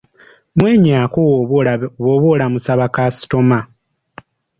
Mwenyaako bw’oba olamusa bakasitoma.